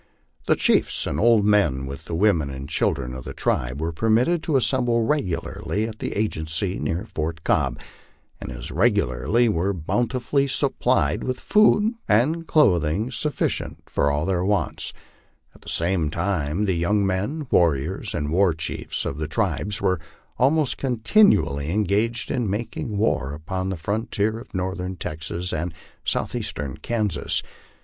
The chiefs and old men, with the women and children of the tribe, were permitted to assemble regularly at the agency near Fort Cobb, and as regularly were bountifully supplied with food and clothing sufficient for all their wants; at the same time the young men, warriors, and war chiefs of the tribe were almost continually engaged in making war upon the frontier of northern Texas and southeastern Kansas.